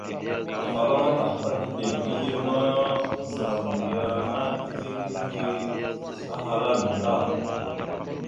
Afalaŋa Tahpa ideŋ iɗel ma, zal yana ike ekehe ahala nda.